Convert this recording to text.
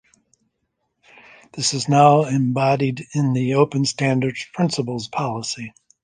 This is now embodied in the Open Standards principles policy.